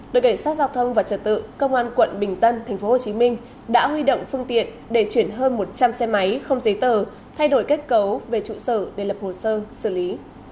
đội cảnh sát giao thông và trật tự công an quận bình tân tp hcm đã huy động phương tiện để chuyển hơn một trăm linh xe máy không giấy tờ thay đổi kết cấu về trụ sở để lập hồ sơ xử lý